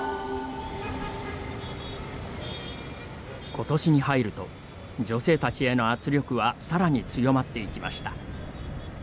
ことしに入ると女性たちへの圧力はさらに強まっていきました。